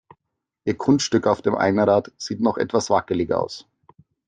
Ihr Kunststück auf dem Einrad sieht noch etwas wackelig aus.